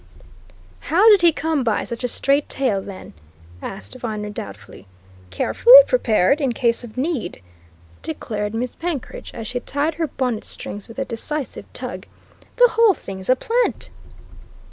"How did he come by such a straight tale, then?" asked Viner doubtfully. "Carefully prepared in case of need," declared Miss Penkridge as she tied her bonnet strings with a decisive tug. "The whole thing's a plant!"